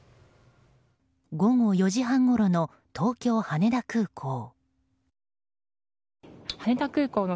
午後４時半ごろの東京・羽田空港。